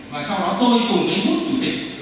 và sau đó tôi cùng với quốc chủ tịch